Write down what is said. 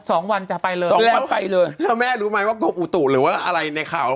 สองวันจะไปเลยสองวันไปเลยแล้วแม่รู้ไหมว่ากรมอุตุหรือว่าอะไรในข่าว